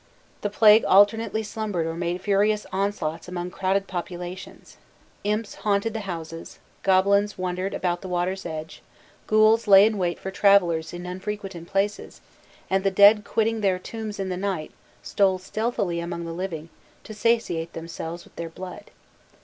The plague alternately slumbered or made furious onslaughts among crowded populations. Imps haunted the houses, goblins wandered about the water's edge, ghouls lay in wait for travellers in unfrequented places, and the dead quitting their tombs in the night stole stealthily among the living to satiate themselves with their blood.